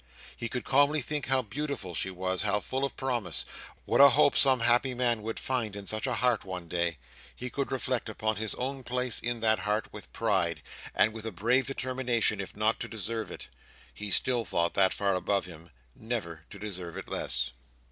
He could calmly think how beautiful she was, how full of promise, what a home some happy man would find in such a heart one day. He could reflect upon his own place in that heart, with pride; and with a brave determination, if not to deserve it—he still thought that far above him—never to deserve it less.